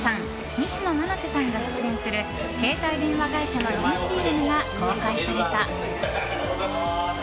西野七瀬さんが出演する携帯電話会社の新ＣＭが公開された。